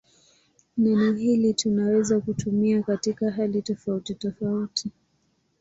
Neno hili tunaweza kutumia katika hali tofautitofauti.